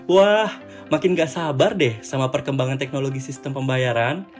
wah makin gak sabar deh sama perkembangan teknologi sistem pembayaran